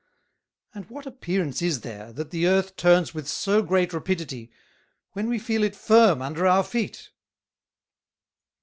And what appearance is there, that the Earth turns with so great Rapidity, when we feel it firm under our Feet?"